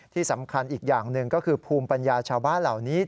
ที่สำคัญอีกอย่างหนึ่งก็คือภูมิปัญญาชาวบ้านเหล่านี้